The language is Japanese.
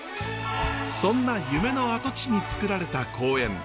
そんな夢の跡地につくられた公園。